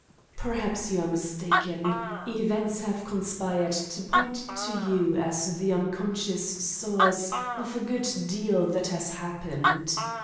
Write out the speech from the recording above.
"Perhaps you are mistaken. Events have conspired to point to you as the unconscious source of a good deal that has happened.